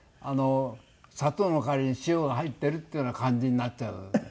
砂糖の代わりに塩が入ってるっていうような感じになっちゃうんですよ。